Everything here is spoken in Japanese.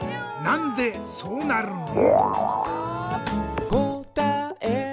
なんでそうなるの？